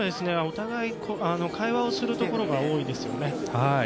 お互い会話をするところが多いんですよね。